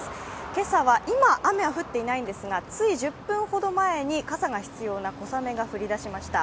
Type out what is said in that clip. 今朝は今雨は降っていないんですがつい１０分ほど前に傘が必要な小雨が降り出しました。